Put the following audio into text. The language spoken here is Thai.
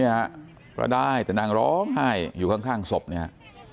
นี่ฮะก็ได้แต่นางร้อมไห้อยู่ข้างศพนี้ฮะ